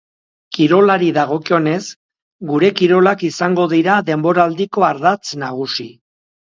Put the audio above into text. Kirolari dagokionez, gure kirolak izango dira denboraldiko ardatz nagusi.